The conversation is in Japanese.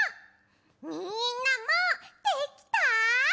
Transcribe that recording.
みんなもできた？